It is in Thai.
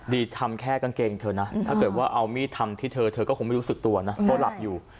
ทำแค่กางเกงเธอนะถ้าเกิดว่าเอามีดทำที่เธอเธอก็คงไม่รู้สึกตัวนะเพราะหลับอยู่